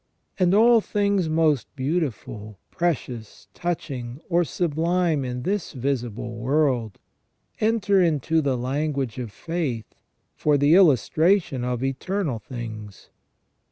And all things most beautiful, precious, touching, or sublime in this visible world, enter into the language of faith for the illustration of eternal THE SECONDARY IMAGE OF GOD IN MAN. 79 things.